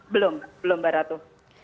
belum belum baratuh